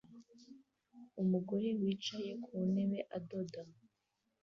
Umugore wicaye ku ntebe adoda